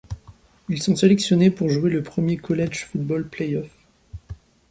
Ils sont sélectionnés pour jouer le premier College Football Playoff.